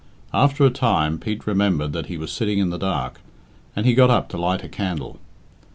After a time, Pete remembered that he was sitting in the dark, and he got up to light a candle.